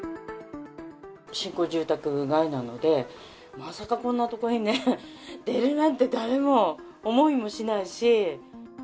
新興住宅街なので、まさかこんなとこにね、出るなんて、誰も思いもしないし。